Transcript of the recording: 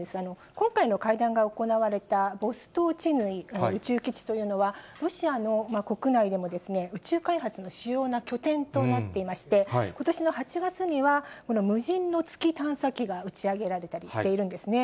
今回の会談が行われたボストーチヌイ宇宙基地というのは、ロシアの国内でも宇宙開発の主要な拠点となっていまして、ことしの８月には、この無人の月探査機が打ち上げられたりしているんですね。